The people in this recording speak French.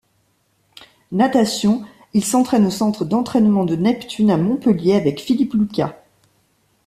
Natation, il s'entraîne au centre d'entraînement de Neptune à Montpellier avec Philippe Lucas.